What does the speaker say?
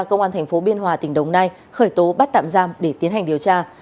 công an tp biên hòa tỉnh đồng nai khởi tố bắt tạm giam để tiến hành điều tra